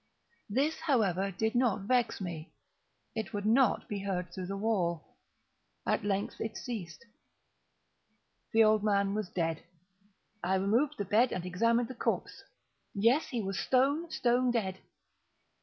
This, however, did not vex me; it would not be heard through the wall. At length it ceased. The old man was dead. I removed the bed and examined the corpse. Yes, he was stone, stone dead.